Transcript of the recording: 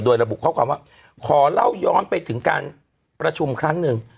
โดยระบุข้อความว่าขอเล่าย้อนไปถึงการประชุมครั้งหนึ่ง